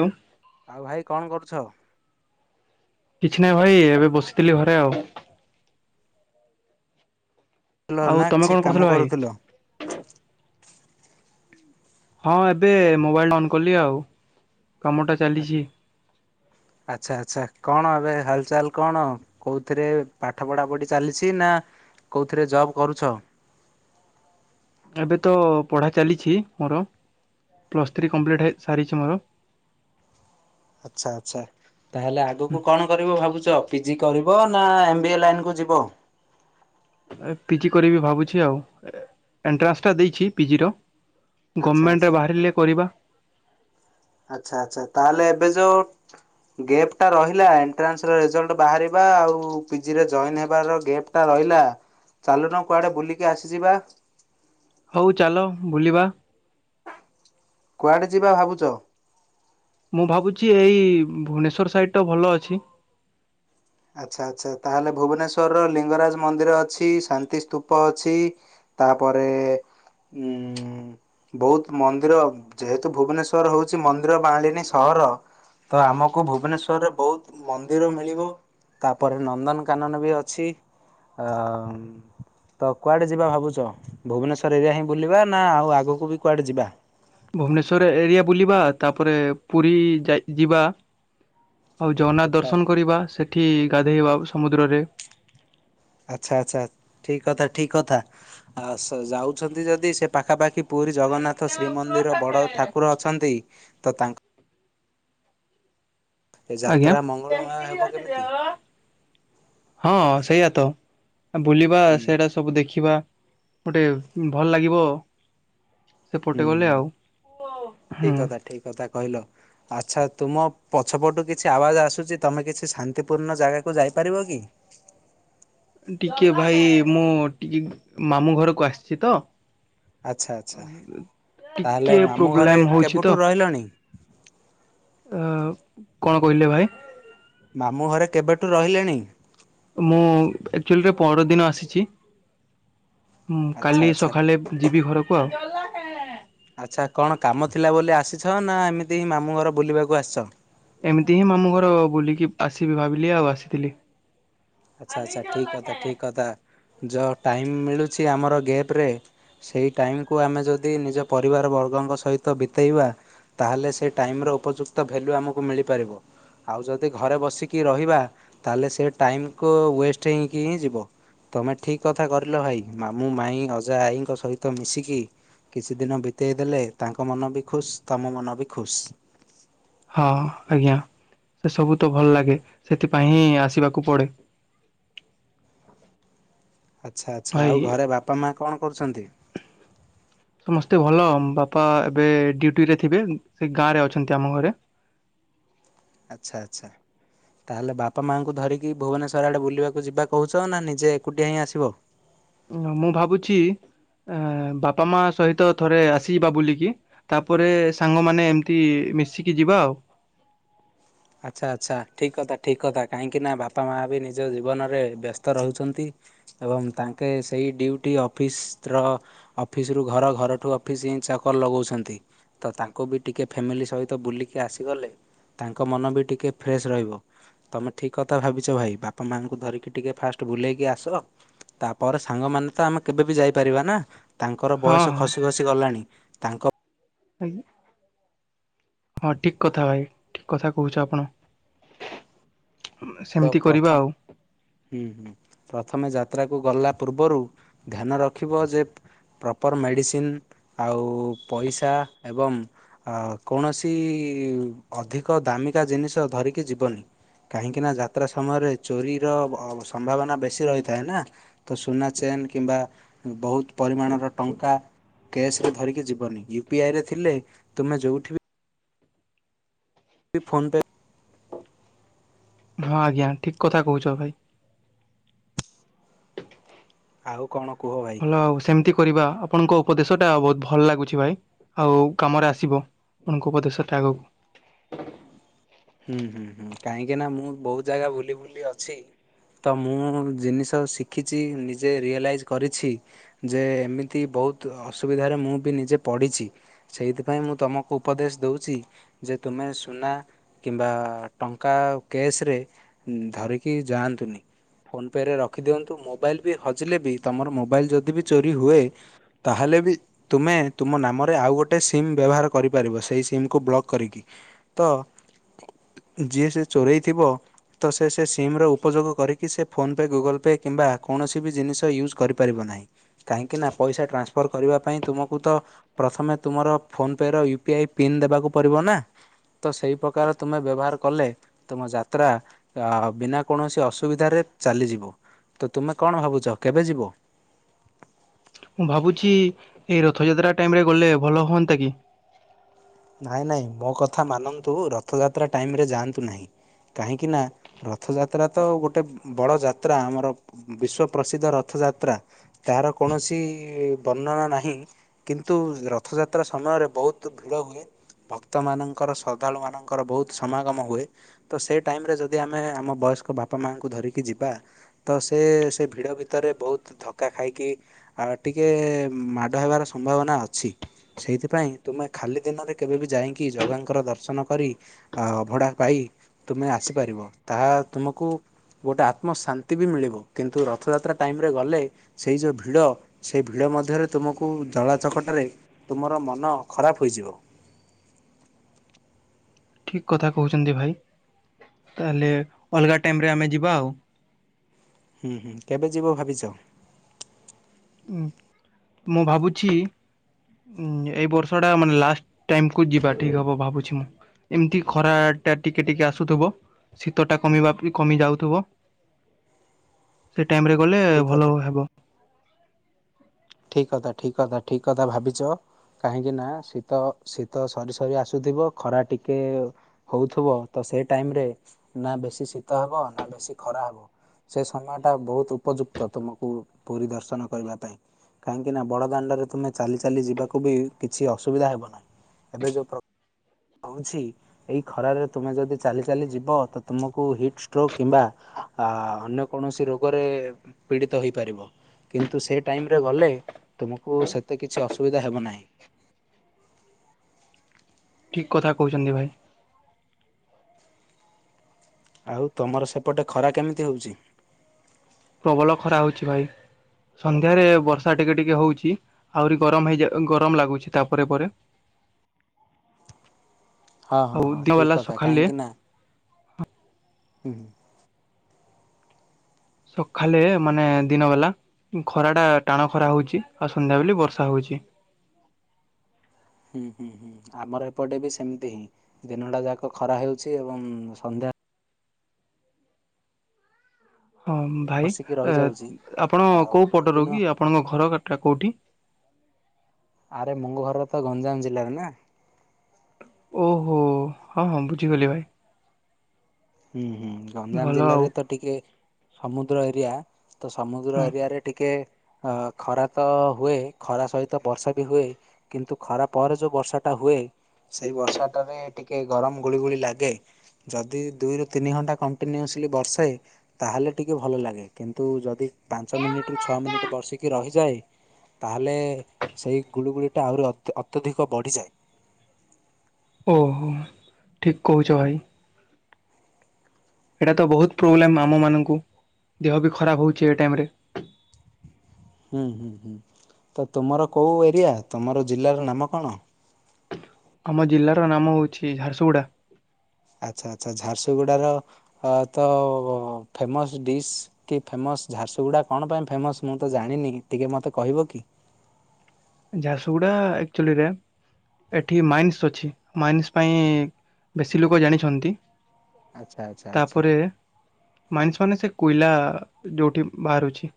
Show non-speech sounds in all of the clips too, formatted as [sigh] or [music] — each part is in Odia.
ହାଲୋ। ଆଉ ଭାଇ କଣ କରୁଛ? କିଛି ନାହିଁ ଭାଇ ଏବେ ବସିଥିଲି ଘରେ ଆଉ ଲୋ ଆଉ ନା ତମେ କିଛି କଣ କାମ ଭାଇ? କରୁଥିଲ? ହଁ ଏବେ ମୋବାଇଲ ଅନ୍ କଲି ଆଉ କାମଟା ଆ ଚାଲିଛି। ଆଚ୍ଛା ଆଚ୍ଛା କଣ ଏବେ ହାଲଚାଲ୍ କଣ? କୋଉଥିରେ ପାଠ ପଢା ପଢି ଚାଲିଛି ନା କୋଉଥିରେ ଜବ କରୁଛ? ଏବେ ତ ପଢ଼ା ଚାଲିଛି ମୋର ପ୍ଲସ୍ ଥ୍ରୀ କମ୍ପ୍ଲିଟ୍ ହେ ସାରିଛି ମୋର। ଆଚ୍ଛା ଆଚ୍ଛା ତାହେଲେ ଆଗକୁ କଣ କରିବ ଭାବୁଛ? ପିଜି କରିବ ନା ଏମ୍ ବି ଏ ଲାଇନ୍ କୁ ଯିବ? ଏ ପିଜି କରିବି ଭାବୁଛି ଆଉ ଏଣ୍ଟ୍ରାନ୍ସଟା ଦେଇଛି ପିଜିର ଆଚ୍ଛା ଗମେଣ୍ଟରେ ଆଚ୍ଛା ବାହାରିଲେ କରିବା। ଆଚ୍ଛା ଆଛା ତାହେଲେ ଏବେ ଯୋଉ ଗେପ୍ ଟା ରହିଲା ଏଣ୍ଟ୍ରାନ୍ସ ରେଜଲ୍ଟ ବାହାରିବା ଆଉ ପିଜିରେ ଜଏନ୍ ହେବାର ଗେପ୍ ଟା ରହିଲା ଚାଲୁନ କୁଆଡେ ବୁଲିକି ଆସିଯିବା। ହଉ ଚାଲ ବୁଲିବା। କୁଆଡ଼େ ଯିବା ଭାବୁଛ? ମୁଁ ଭାବୁଛି ଏଇ ଭୁବନେଶ୍ଵର ସାଇଟଟା ଭଲ ଅଛି। ଆଚ୍ଛା ଆଚ୍ଛା ତାହେଲେ ଭୁବନେଶ୍ଵରର ଲିଙ୍ଗରାଜ ମନ୍ଦିର ଅଛି ଶାନ୍ତି ସ୍ତୂପ ଅଛି। ତାପରେ ଉଁ ବହୁତ ମନ୍ଦିର ଯେହେତୁ ଭୁବନେଶ୍ୱର୍ ହଉଛି ମନ୍ଦିର ମାଳିନୀ ସହର। ତ ଆମକୁ ଭୁବନେଶ୍ଵରରେ ବହୁତ ମନ୍ଦିର ମିଳିବ ତାପରେ ନନ୍ଦନକାନନ ବି ଅଛି ଆ ତ କୁଆଡ଼େ ଯିବା ଭାବୁଛ ଭୁବନେଶ୍ୱର ଏରିଆ ହିଁ ବୁଲିବା ନା ଆଉ ଆଗକୁ ବି କୁଆଡ଼େ ଯିବା? ଭୁବନେଶ୍ଵର ଏରିଆ ବୁଲିବା ତାପରେ ପୁରୀ ଯାଇ ଯିବା। ଆଉ ଜଗନ୍ନାଥ ଆଚ୍ଛା ଦର୍ଶନ କରିବା ସେଠି ଗାଧେଇବା ସମୁଦ୍ରରେ। ଆଚ୍ଛା ଆଛା ଠିକ କଥା ଠିକ କଥା ଆ ଯାଉଛନ୍ତି ଯଦି ସେ ପାଖାପାଖି ପୁରୀ ଜଗନ୍ନାଥ ଶ୍ରୀମନ୍ଦିର ବଡ଼ ଠାକୁର ଅଛନ୍ତି ତ ତାଙ୍କ ଏ ଆଜ୍ଞା ଯାତ୍ରା ମଙ୍ଗଳମୟ ହେବ କେମିତି? ହଁ ସେଇଆ ତ ବୁଲିବା ହୁଁ ସେଇଟା ସବୁ ଦେଖିବା ଗୋଟେ ଭଲ ଲାଗିବ। ସେପଟେ ଗଲେ ହୁଁ ଆଉ ଠିକ୍ ହୁଁ। କଥା ଠିକ୍ କଥା କହିଲ। ଆଚ୍ଛା ତୁମ ପଛପଟୁ କିଛି ଆବାଜ ଆସୁଛି ତୁମେ କିଛି ଶାନ୍ତିପୂର୍ଣ୍ଣ ଜାଗାକୁ ଯାଇପାରିବ କି? ଟିକେ ଭାଇ ମୁଁ ଟିକେ ମାମୁଁ ଘରକୁ ଆସିଛି ତ। ଆଚ୍ଛା ଆଚ୍ଛା ତାହେଲେ ଟିକେ ମାମୁଁ ଘରେ ପ୍ରୋବ୍ଲେମ ହଉଛି କେବେଠୁ ତ। ରହିଲଣି? କଣ କହିଲେ ଭାଇ? ମାମୁଁ ଘରେ କେବେଠୁ ରହିଲେଣି? ମୁଁ ଆକ୍ଚୁଲି ପହର ଦିନ ଆସିଛି ଆଚ୍ଛା କାଲି ଆଚ୍ଛା। ସକାଳେ ଯିବି ଘରକୁ ଆଉ। [unintelligible] ଆଚ୍ଛା କଣ କାମ ଥିଲା ବୋଲି ଆସିଛ ନା ଏମିତିଁ ମାମୁଁ ଘର ବୁଲିବାକୁ ଆସିଛ? ଏମିତି ହିଁ ମାମୁଁ ଘର ବୁଲିକି ଆସିବି ଭାବିଲି ଆଉ ଆସିଥିଲି। ଆଚ୍ଛା ଆଚ୍ଛା ଠିକ କଥା ଠିକ୍ କଥା ଯଉ ଟାଇମ୍ ମିଳୁଛି ଆମର ଗ୍ୟାପ ରେ ସେଇ ଟାଇମକୁ ଆମେ ଯଦି ନିଜ ପରିବାର ବର୍ଗଙ୍କ ସହିତ ବିତେଇବା ତାହେଲେ ସେ ଟାଇମ୍ର ଉପଯୁକ୍ତ ଭ୍ୟାଲ୍ୟୁ ଆମକୁ ମିଳିପାରିବ। ଆଉ ଯଦି ଘରେ ବସିକି ରହିବା ତାହଲେ ସେ ଟାଇମକୁ ୱେଷ୍ଟ ହେଇକି ହି ଯିବ। ତମେ ଠିକ କଥା କରିଲ ଭାଇ ମାମୁଁ ମାଇଁ ଅଜା ଆଈଙ୍କ ସହିତ ମିଶିକି କିଛି ଦିନ ବିତେଇ ଦେଲେ ତାଙ୍କ ମନ ବି ଖୁସ୍ ତମ ମନ ବି ଖୁସ୍। ହଁ ଆଜ୍ଞା ସେ ସବୁ ତ ଭଲ ଲାଗେ ସେଥିପାଇଁ ହିଁ ଆସିବାକୁ ପଡେ। ଆଚ୍ଛା ଆଚ୍ଛା ଆଉ ଭାଇ ଘରେ ବାପା ମା କଣ କରୁଛନ୍ତି? ସମସ୍ତେ ଭଲ ବାପା ଏବେ ଡ୍ୟୁଟିରେ ଥିବେ ସେ ଗାଁରେ ଅଛନ୍ତି ଆମ ଘରେ। ଆଚ୍ଛା ଆଚ୍ଛା। ତା ହେଲେ ବାପା ମାଆଙ୍କୁ ଧରିକି ଭୁବନେଶ୍ୱର ଆଡ଼େ ବୁଲିବାକୁ ଯିବା କହୁଛ ନା ନିଜେ ଏକୁଟିଆ ହିଁ ଆସିବ? ମୁଁ ଭାବୁଛି ବାପା ମା ସହିତ ଥରେ ଆସିବା ବୁଲିକି। ତାପରେ ସାଙ୍ଗମାନେ ଏମିତି ମିଶିକି ଯିବା ଆଉ। ଆଚ୍ଛା ଆଚ୍ଛା ଠିକ କଥା ଠିକ୍ କଥା କାହିଁକିନା ବାପା ମାଆ ବି ନିଜ ଜୀବନରେ ବ୍ୟସ୍ତ ରହୁଛନ୍ତି। ଏବଂ ତାଙ୍କେ ସେଇ ଡି୍ୟୁଟି ଅଫିସ୍ର ଅଫିସ ରୁ ଘର ଘରଠୁ ଅଫିସ ହିଁ ଚାକଲ ଲଗଉଛନ୍ତି। ତ ତାଙ୍କୁ ବି ଟିକେ ଫ୍ୟାମିଲି ସହିତ ବୁଲିକି ଆସିଗଲେ ତାଙ୍କ ମନ ବି ଟିକିଏ ଫ୍ରେଶ୍ ରହିବ। ତମେ ଠିକ କଥା ଭାବିଛ ଭାଇ ବାପା ମାଆଙ୍କୁ ଧରିକି ଟିକେ ଫାଷ୍ଟ ବୁଲେଇକି ଆସ। ତାପରେ ସାଙ୍ଗମାନେ ତ ଆମେ କେବେ ବି ଯାଇପାରିବା ନା ତାଙ୍କର ହଁ ବୟସ ହଁ ଖସି ଖସି ଗଲାଣି ତାଙ୍କ ଆ୍ଞା। ହଁ ଠିକ କଥା ଭାଇ ଠିକ କଥା କହୁଛ ଆପଣ। ତ ସେମିତି କରିବା ପ୍ରଥମ୍ ଆଉ ହୁ ହୁ ପ୍ରଥମେ ଯାତ୍ରାକୁ ଗଲା ପୂର୍ବରୁ ଧ୍ୟାନ ରଖିବ ଯେ ପ୍ରପର୍ ମେଡ଼ିସିନ୍ ଆଉ ପଇସା ଏବଂ ଆ କୌଣସି ଅଧିକ ଦାମିକା ଜିନିଷ ଧରିକି ଯିବନି। କାହିଁକି ନା ଯାତ୍ରା ସମୟରେ ଚୋରିର ସମ୍ଭାବନା ବେଶୀ ରହିଥାଏ ନା। ତ ସୁନା ଚେନ୍ କିମ୍ବା ବହୁତ ପରିମାଣର ଟଙ୍କା ରେ ଧରିକି ଯିବନି ୟୁ ପିଆଇ ରେ ଥିଲେ ତୁମେ ଯୋଉଠି ବି ଫୋନ୍ ପେ ହଁ ଆଜ୍ଞା ଠିକ କଥା କହୁଛ ଭାଇ। ଆଉ କଣ କୁହ ଭାଇ। ହଉ ସେମିତି କରିବା ଆପଣଙ୍କ ଉପଦେଶ ଟା ବହୁତ ଭଲ ଲାଗୁଛି ଭାଇ ଆଉ କାମରେ ଆସିବ। ଆପଣଙ୍କ ଉପଦେଶଟା ଆଗକୁ ହୁଁ ହୁଁ ହୁଁ କାହିଁକି ନା ମୁଁ ବହୁତ ଜାଗା ବୁଲି ବୁଲି ଅଛି। ତ ମୁଁ ଜିନିଷ ଶିଖିଛି ନିଜେ ରିଏଲାଇଜ୍ କରିଛି। ଯେ ଏମିତି ବହୁତ ଅସୁବିଧାରେ ମୁଁ ବି ନିଜେ ପଢ଼ିଛି। ସେଇଥିପାଇଁ ମୁଁ ତମକୁ ଉପଦେଶ ଦଉଛି ଯେ ତୁମେ ସୁନା କିମ୍ବା ଟଙ୍କା କ୍ୟାସ୍ରେ ଧରିକି ଯାଆନ୍ତୁନି। ଫୋନ୍ ପେ ରେ ରଖିଦିଅନ୍ତୁ ମୋବାଇଲ୍ ବି ହଜିଲେ ବି ତୁମର ମୋବାଇଲ ଯଦି ବି ଚୋରି ହୁଏ ତାହେଲେ ବି ତୁମେ ତୁମ ନାମରେ ଆଉ ଗୋଟେ ସିମ୍ ବ୍ୟବହାର କରିପାରିବ ସେଇ ସିମ୍ କୁ ବ୍ଲକ୍ କରିକି ତ ଯିଏ ସେ ଚୋରେଇଥିବ ତ ସେ ସେ ସିମ୍ ର ଉପଯୋଗ କରିକି ସେ ଫୋନ୍ ପେ ଗୁଗଲ୍ ପେ କିମ୍ବା କୌଣସି ବି ଜିନିଷ ୟୁଜ୍ କରିପାରିବ ନାହିଁ। କାହିଁକିନା ପଇସା ଟ୍ରାନ୍ସଫର୍ କରିବା ପାଇଁ ତୁମକୁ ତ ପ୍ରଥମେ ତୁମର ଫୋନ୍ ପେର ୟୁ ପି ଆଇ ପିନ୍ ଦେବାକୁ ପଡ଼ିବ ନା ତ ସେଇ ପକାର ତୁମେ ବ୍ୟବହାର କଲେ ତୁମ ଯାତ୍ରା ଅ ବିନା କୌଣସି ଅସୁବିଧାରେ ଚାଲିଯିବ। ତ ତୁମେ କଣ ଭାବୁଛ କେବେ ଯିବ? ମୁଁ ଭାବୁଛି ଏଇ ରଥଯାତ୍ରା ଟାଇମ ରେ ଗଲେ ଭଲ ହୁଅନ୍ତା କି? ନାଇଁ ନାଇଁ ମୋ କଥା ମାନନ୍ତୁ ରଥଯାତ୍ରା ଟାଇମରେ ଯାଆନ୍ତୁ ନାହିଁ କାହିଁକି ନା ରଥଯାତ୍ରା ତ ଗୋଟେ ବଡ଼ ଯାତ୍ରା ଆମର ବିଶ୍ଵ ପ୍ର୍ରସିଦ୍ଧ ରଥଯାତ୍ରା। ତାହାର କୌଣସି ବର୍ଣ୍ଣନା ନାହିଁ। କିନ୍ତୁ ରଥଯାତ୍ରା ସମୟରେ ବହୁତ ଭିଡ଼ ହୁଏ। ଭକ୍ତ ମାନଙ୍କର ଶ୍ରଦ୍ଧାଳୁ ମାନଙ୍କର ବହୁତ ସମାଗମ ହୁଏ। ତ ସେ ଟାଇମ୍ ରେ ଯଦି ଆମେ ଆମ ବୟସ୍କ ବାପା ମାଆଙ୍କୁ ଧରିକି ଯିବା ତ ସେ ସେ ଭିଡ଼ ଭିତରେ ବହୁତ ଧକ୍କା ଖାଇକି ଆ ଟିକେ ମାଡ଼ ହେବାର ସମ୍ଭାବନା ଅଛି ସେଇଥିପାଇଁ ତୁମେ ଖାଲି ଦିନରେ କେବେ ବି ଯାଇକି ଜଗାଙ୍କର ଦର୍ଶନ କରି ଅଭଡ଼ା ପାଇ ତୁମେ ଆସିପାରିବ ତାହା ତୁମକୁ ଗୋଟେ ଆତ୍ମଶାନ୍ତି ବି ମିଳିବ କିନ୍ତୁ ରଥଯାତ୍ରା ଟାଇମ୍ ରେ ଗଲେ ସେଇ ଯୋଉ ଭିଡ଼ ସେ ଭିଡ଼ ମଧ୍ୟରେ ତୁମକୁ ଜଳା ଚକଟାରେ ତୁମର ମନ ଖରାପ ହୋଇଯିବ। ଠିକ କଥା କହୁଛନ୍ତି ଭାଇ ତାହେଲେ ଅଲଗା ଟାଇମରେ ଆମେ ଯିବା ଆଉ। ହୁଁ ହୁଁ କେବେ ଯିବ ଭାବିଛ? ଉଁ ମୁଁ ଭାବୁଛି ଉଁ ଏଇ ବର୍ଷଟା ମାନେ ଲାଷ୍ଟ ଟାଇମକୁ ଯିବା ଠିକ ହବ ଭାବୁଛି ମୁଁ। ଏମତି ଖରା ଟା ଟିକେ ଟିକେ ଆସୁଥିବ ଶୀତ ଟା କମିବା କମି ଯାଉଥିବ। ସେ ଟାଇମ୍ ରେ ଗଲେ ଠିକ ଭଲ କଥା। ହେବ। ଠିକ କଥା ଠିକ କଥା ଠିକ କଥା ଭାବିଛ। କାହିଁକି ନା ଶୀତ ଶୀତ ସରି ସରି ଆସୁଥିବ ଖରା ଟିକେ ହଉଥୁବ ତ ସେ ଟାଇମ ରେ ନା ବେଶୀ ଶୀତ ହବ ନା ବେଶୀ ଖରା ହବ। ସେ ସମୟ ଟା ବହୁତ ଉପଯୁକ୍ତ ତୁମକୁ ପୁରୀ ଦର୍ଶନ କରିବା ପାଇଁ। କାହିଁକି ନା ବଡ଼ ଦାଣ୍ଡରେ ତୁମେ ଚାଲି ଚାଲି ଯିବାକୁ ବି କିଛି ଅସୁବିଧା ହେବ ନାହିଁ ଏବେ ଯୋଉ ପ୍ର ହଉଛି ଏଇ ଖରାରେ ତୁମେ ଯଦି ଚାଲି ଚାଲି ଯିବ ତ ତୁମକୁ ହିଟ୍ ଷ୍ଟ୍ରୋକ୍ କିମ୍ବା ଆ ଅନ୍ୟ କୌଣସି ରୋଗରେ ପୀଡ଼ିତ ହେଇପାରିବ। କିନ୍ତୁ ସେ ଟାଇମ୍ ରେ ଗଲେ ତୁମକୁ ସେତେ କିଛି ଅସୁବିଧା ହେବ ନାହିଁ। ଠିକ୍ କଥା କହୁଛନ୍ତି ଭାଇ। ଆଉ ତମର ସେପଟେ ଖରା କେମିତି ହଉଛି? ପ୍ରବଳ ଖରା ହୋଉଛି ଭାଇ। ସନ୍ଧ୍ୟାରେ ବର୍ଷା ଟିକେ ଟିକେ ହେଉଛି ଆହୁରି ଗରମ ହେଇଯ ଗରମ ଲାଗୁଛି ତାପରେ ପରେ। ହଁ ହଁ ଆଉ ହଁ ଦିନ ଠିକ୍ ବାଲା କଥା ସକାଳେ କାହିଁକିନା ହୁଁ ହୁଁ। ସଖାଲେ ମାନେ ଦିନ ବେଲା ଖରା ଟା ଟାଣ ଖରା ହଉଛି ଆଉ ସନ୍ଧ୍ୟାବେଲେ ବର୍ଷା ହଉଛି। ହୁଁ ହୁଁ ହୁଁ ଆମର ଏପଟେ ବି ସେମିତି ହିଁ ଦିନଟା ଯାକ ଖରା ହେଉଛି ଏବଂ ସନ୍ଧ୍ୟା ହଁ ଭାଇ ବର୍ଷିକି ଏ ରହିଯାଉଛି। ଆପଣ ଆଉ କୋଉ ଯୋଉ ପଟରୁ ଦିନ କି ଆପଣଙ୍କ ଘର ଗାଟା କୋଉଠି? ଆରେ ମୋ ଘରତ ଗଞ୍ଜାମ ଜିଲ୍ଲାରେ ନା। ଓହୋ ହଁ ହଁ ବୁଝିଗଲି ଭାଇ। ହୁଁ ହୁଁ ଗଞ୍ଜାମ ଭଲ ଆଉ ଜିଲ୍ଲାରେ ତ ଟିକେ ସମୁଦ୍ର ଏରିଆ ତ ସମୁଦ୍ର ହଁ ଏରିଆରେ ଟିକେ ଅ ଖରା ତ ହୁଏ ଖରା ସହିତ ବର୍ଷା ବି ହୁଏ। କିନ୍ତୁ ଖରା ପରେ ଯଉ ବର୍ଷା ଟା ହୁଏ। ସେଇ ବର୍ଷାଟାରେ ଟିକେ ଗରମ ଗୁଳି ଗୁଳି ଲାଗେ ଯଦି ଦୁଇରୁ ତିନି ଘଣ୍ଟା କଣ୍ଟିନ୍ୟୁସଲି ବର୍ଷେ ତାହେଲେ ଟିକେ ଭଲ ଲାଗେ କିନ୍ତୁ ଯଦି ପାଞ୍ଚ ମିନିଟ ରୁ ଛଅ ମିନିଟ୍ ବର୍ସିକି ରହିଯାଏ ତାହେଲେ ସେଇ ଗୁଳୁଗୁଳିଟା ଆହୁରି ଅତ ଅତ୍ୟଧିକ ବଢ଼ିଯାଏ। ଓହୋ ଠିକ କହୁଛ ଭାଇ। ଏଇଟା ତ ବହୁତ ପ୍ରୋବ୍ଲେମ୍ ଆମମାନଙ୍କୁ ଦେହ ବି ଖରାପ ହେଉଛି ଏ ଟାଇମରେ। ହୁଁ ହୁଁ ହୁଁ ତ ତୁମର କୋଉ ଏରିଆ ତମର ଜିଲ୍ଲାର ନାମ କଣ। ଆମ ଜିଲ୍ଲାର ନାମ ହେଉଛି ଝାରସୁଗୁଡ଼ା। ଆଚ୍ଛା ଆଚ୍ଛା ଝାରସୁଗୁଡ଼ାର ତ ଫେମସ୍ ଡିସ୍ କି ଫେମସ୍ ଝାରସୁଗୁଡ଼ା କଣ ପାଇଁ ଫେମସ ମୁଁ ତ ଜାଣିନି ଟିକେ ମୋତେ କହିବ କି? ଝାରସୁଗୁଡା ଏକ୍ଟୁଆଲୀ ରା ଏଠି ମାଇନ୍ସ ଅଛି ମାଇନ୍ସ ପାଇଁ ବେଶୀ ଲୋକ ଜାଣିଛନ୍ତି। ଆଚ୍ଛା ଆଚ୍ଛା ଆଚ୍ଛା ତାପରେ ମାଇନ୍ସ ମାନେ ସେ କୋଇଲା ଯେଉଠି ବାହାରୁଛି।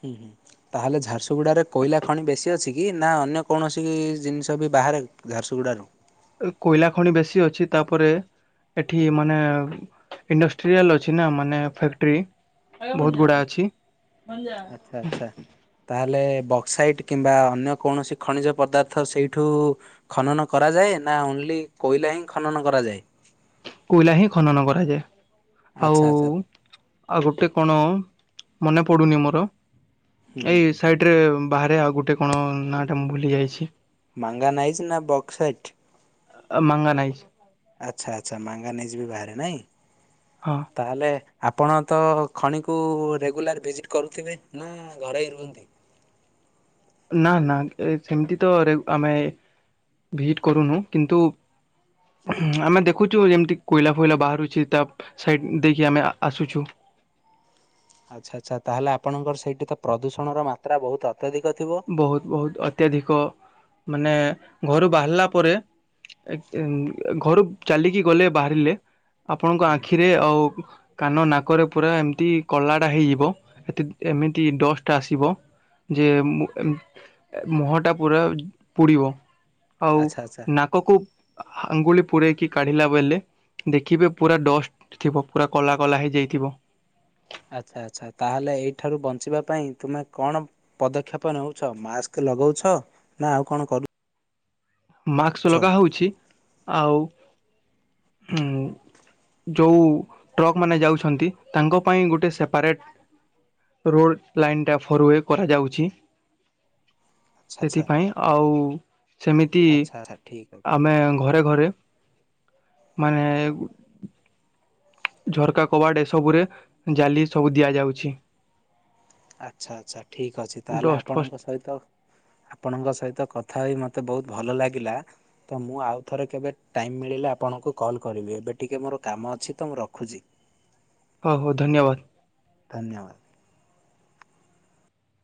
ହୁଁ ହୁଁ। ତାହେଲେ ଝାରସୁଗୁଡ଼ାରେ କୋଇଲା ଖଣି ବେଶୀ ଅଛି କି ନା ଅନ୍ୟ କୌଣସି ଜିନିଷ ବି ବାହାରେ ଝାରସୁଗୁଡ଼ାରୁ। କୋଇଲା ଖଣି ବେଶୀ ଅଛି ତାପରେ ଏଠି ମାନେ ଇଣ୍ଡଷ୍ଟ୍ରିଆଲ ଅଛି ନା ମାନେ ଫ୍ୟାକ୍ଟ୍ରି। ହୁଁ ବହୁତ ହୁଁ ଗୁଡା ହୁଁ ଅଛି ଆଚ୍ଛା ଆଚ୍ଛା। ତାହେଲେ ବକ୍ସାଇଟ୍ କିମ୍ବା ଅନ୍ୟ କୌଣସି ଖଣିଜ ପଦାର୍ଥ ସେଇଠୁ ଖନନ କରାଯାଏ ନା ଓନ୍ଲି କୋଇଲା ହିଁ ଖନନ କରାଯାଏ। କୋଇଲା ହିଁ ଖନନ କରାଯାଏ ଆଚ୍ଛା ଆଉ। ଆଚ୍ଛା ଆଉ ଗୋଟେ କଣ ମନେ ପଡ଼ୁନି ମୋର। ହୁଁ ହୁଁ ଏଇ ହୁଁ ସାଇଡ ରେ ବାହାରେ ଆଉ ଗୋଟେ କଣ ନାଁ ଟା ମୁଁ ଭୁଲି ଯାଇଛି। ମାଙ୍ଗାନାଇଜ୍‌ ନା ବକ୍ସାଇଟ। ମାଙ୍ଗାନିଜ। ଆଚ୍ଛା ଆଚ୍ଛା ମଙ୍ଗାନାଇଯି ବି ବାହାରେ ନାଇଁ। ହଁ। ତାହେଲେ ଆପଣ ତ ଖଣିକୁ ରେଗୁଲାର ଭିଜିଟ୍ କରୁଥିବେ ନା ଘରେଇ ରୁହନ୍ତି। ନା ନା ସେମିତି ତ ରେ ଆମେ ଭିଜିଟ୍ କରୁନୁ କିନ୍ତୁ ଆମେ ଦେଖୁଛୁ ଯେମିତି କୋଇଲା ଫୋଇଲା ବାହାରୁଛି ତା ସାଇଡ଼୍ ଦେଇକି ଆମେ ଆସୁଛୁ। ଆଚ୍ଛା ଆଚ୍ଛା ତାହେଲେ ଆପଣଙ୍କର ସେଇଠି ତ ପ୍ରଦୂଷଣର ମାତ୍ରା ବହୁତ ଅତ୍ୟଧିକ ଥିବ। ବହୁତ୍ ବହୁତ୍ ଅତ୍ୟଧିକ ମାନେ ଘରୁ ବାହାରିଲା ପରେ ଘରୁ ଚାଲିକି ଗଲେ ବାହାରିଲେ ଆପଣଙ୍କ ଆଖିରେ ଆଉ କାନ ନାକରେ ପୁରା ଏମିତି କଲାଟା ହେଇଯିବ ଏ ଏମିତି ଡଷ୍ଟ ଆସିବ ଯେ ମୁହଟା ପୁରା ପୋଡ଼ିବ ଆଉ ଆଚ୍ଛା ଆଚ୍ଛା ନା ନାକକୁ ଆଙ୍ଗୁଳି ପୁରେଇକି କାଢିଲା ବେଲେ ଦେଖିବେ ପୁରା ଡଷ୍ଟ ଥିବ ପୁରା କଲା କଲା ହେଇଯାଇଥିବ। ଆଚ୍ଛା ଆଚ୍ଛା ତାହେଲେ ଏଇଠାରୁ ବଞ୍ଚିବା ପାଇଁ ତୁମେ କଣ ପଦକ୍ଷେପ ନଉଛ ମାସ୍କ ଲଗଉଛ ନା ଆଉ କଣ କରୁ ମାସ୍କ ଲଗା ହଉଛି ଆଉ ହୁଁ। ଯେଉଁ ଟ୍ରକ୍ ମାନେ ଯାଉଛନ୍ତି ତାଙ୍କ ପାଇଁ ଗୋଟେ ସେପାରେଟ୍ ରୋଡ ଲାଇନ୍ ଟା ଫରୱେ କରାଯାଉଛି। ଆଚ୍ଛା ସେଥିପାଇଁ ଆଉ ସେମିତି ଆଚ୍ଛା ଆଚ୍ଛା ଠିକ୍ ଅଛି। ଆମେ ଘରେ ଘରେ ମାନେ ଝରକା କବାଡ ଏସବୁ ରେ ଜାଲି ସବୁ ଦିଆଯାଉଛି। ଆଚ୍ଛା ଆଚ୍ଛା ଠିକ୍ ଅଛି ତାହେଲେ ଡଷ୍ଟ ଫଷ୍ଟ ଆପଣଙ୍କ ସହିତ ଆପଣଙ୍କ ସହିତ କଥା ହୋଇ ମତେ ବହୁତ ଭଲ ଲାଗିଲା। ତ ମୁଁ ଆଉ ଥରେ କେବେ ଟାଇମ୍ ମିଳିଲେ ଆପଣଙ୍କୁ କଲ୍ କରିବି ଏବେ ଟିକିଏ ମୋର କାମ ଅଛି ତ ମୁଁ ରଖୁଛି। ହଉ ହଉ ଧନ୍ୟବାଦ। ଧନ୍ୟବାଦ।